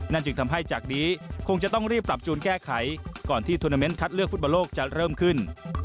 จึงทำให้จากนี้คงจะต้องรีบปรับจูนแก้ไขก่อนที่ทวนาเมนต์คัดเลือกฟุตบอลโลกจะเริ่มขึ้น